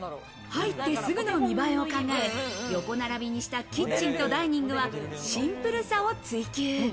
入ってすぐの見栄えを考え、横並びにしたキッチンとダイニングはシンプルさを追求。